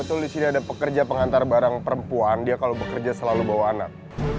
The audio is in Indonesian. betul di sini ada pekerja pengantar barang perempuan dia kalau bekerja selalu bawa anak